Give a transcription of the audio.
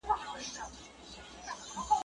دا ئې قواله په چا ئې منې.